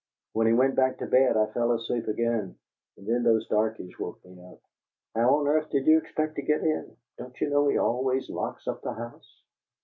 When he went back to bed I fell asleep again, and then those darkies woke me up. How on earth did you expect to get in? Don't you know he always locks up the house?"